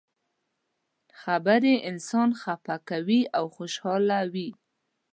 خبرې انسان خفه کوي او خوشحالوي.